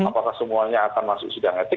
apakah semuanya akan masuk sidang etik